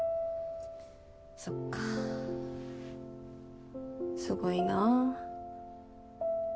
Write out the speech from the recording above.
そっかすごいなぁ。